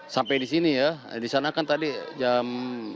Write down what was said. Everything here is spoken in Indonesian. sampai di sini ya di sana kan tadi jam delapan tiga puluh dua ratus empat puluh